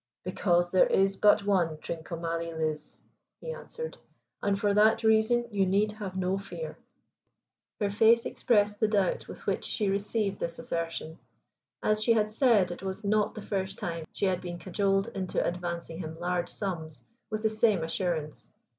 "Because there is but one Trincomalee Liz," he answered; "and for that reason you need have no fear." Her face expressed the doubt with which she received this assertion. As she had said, it was not the first time she had been cajoled into advancing him large sums with the same assurance.